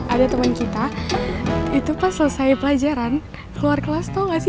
ada teman kita itu pas selesai pelajaran keluar kelas tau gak sih